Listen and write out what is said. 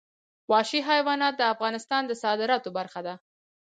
وحشي حیوانات د افغانستان د صادراتو برخه ده.